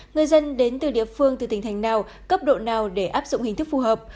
người dân đến từ địa phương từ tỉnh thành nào cấp độ nào để áp dụng hình thức phù hợp